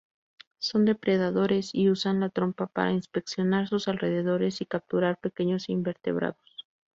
Son depredadores y usan la trompa para inspeccionar sus alrededores y capturar pequeños invertebrados.